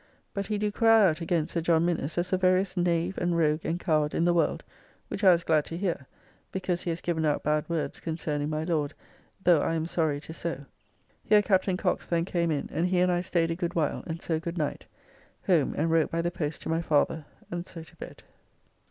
But he do cry out against Sir John Minnes, as the veriest knave and rogue and coward in the world, which I was glad to hear, because he has given out bad words concerning my Lord, though I am sorry it is so. Here Captain Cox then came in, and he and I staid a good while and so good night. Home and wrote by the post to my father, and so to bed.